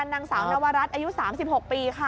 นางสาวนวรัฐอายุ๓๖ปีค่ะ